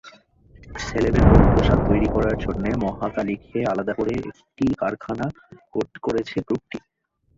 সেইলরের পোশাক তৈরি করার জন্য মহাখালীতে আলাদা একটি কারখানা করেছে গ্রুপটি।